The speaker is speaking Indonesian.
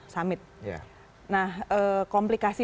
summit nah komplikasi